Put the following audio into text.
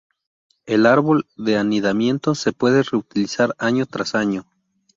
El árbol de anidamiento se puede reutilizar año tras año.